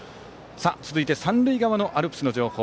続いて、三塁側のアルプスの情報